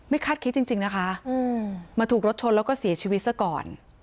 ไม่คัดคิดจริงจริงนะคะอืมมาถูกรถชนแล้วก็เสียชีวิตซะก่อน